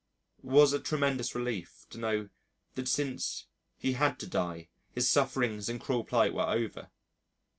It was a tremendous relief to know that since he had to die his sufferings and cruel plight were over.